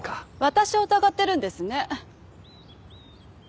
私を疑ってるんですね？